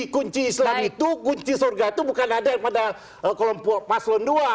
kunci islam itu kunci surga itu bukan ada pada kelompok paslon dua